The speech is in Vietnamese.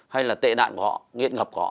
hay là tệ nạn của họ nghiện ngập của họ